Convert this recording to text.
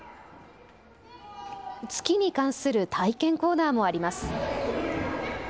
月に関する体験コーナーもあります。